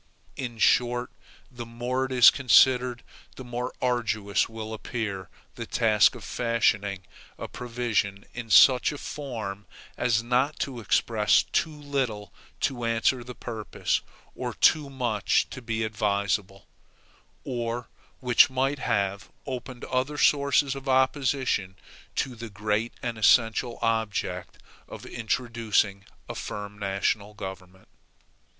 In short, the more it is considered the more arduous will appear the task of fashioning a provision in such a form as not to express too little to answer the purpose, or too much to be advisable; or which might not have opened other sources of opposition to the great and essential object of introducing a firm national government.